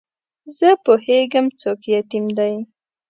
زه پوهېږم څوک یتیم دی.